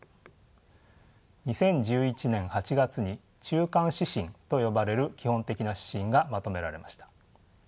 ２０１１年８月に中間指針と呼ばれる基本的な指針がまとめられました。